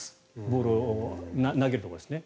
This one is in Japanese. ボールを投げるところですね。